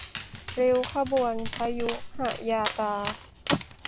ริ้วขบวน พยุหยาตรา